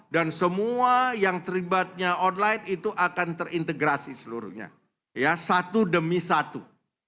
dan semua yang terlibatnya online itu akan terintegrasi seluruhnya ya satu demi satu